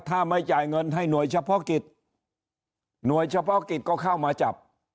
ถ้าไม่จ่ายเงินให้หน่วยเฉพาะกิจหน่วยเฉพาะกิจก็เข้ามาจับ